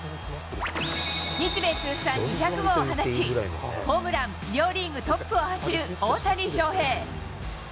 日米通算２００号を放ち、ホームラン両リーグトップを走る大谷翔平。